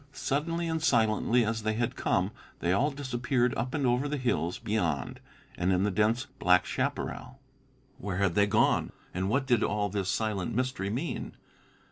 Suddenly and silently as they had come they all disappeared up and over the hills beyond, and in the dense black chaparral. Where had they gone and what did all this silent mystery mean?